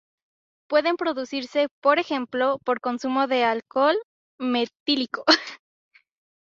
Pueden producirse, por ejemplo, por consumo de alcohol metílico.